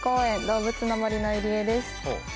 動物の森の入江です